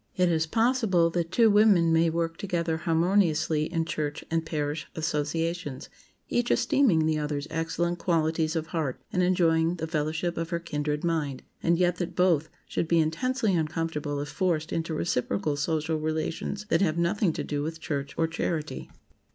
It is possible that two women may work together harmoniously in church and parish associations, each esteeming the other's excellent qualities of heart and enjoying the fellowship of her "kindred mind," and yet that both should be intensely uncomfortable if forced into reciprocal social relations that have nothing to do with church or charity.